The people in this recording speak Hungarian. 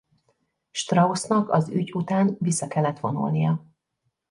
Straussnak az ügy után vissza kellett vonulnia.